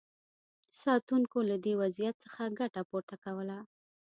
ساتونکو له دې وضعیت څخه ګټه پورته کوله.